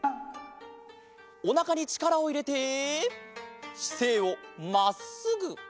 おなかにちからをいれてしせいをまっすぐ！